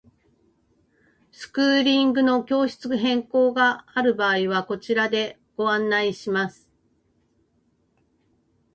スクーリングの教室変更がある場合はこちらでご案内します。